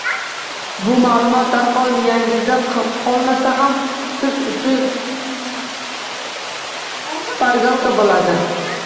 Bu ma’lumot darhol miyangizda qolmasa ham, siz uchun shpargalka bo‘ladi.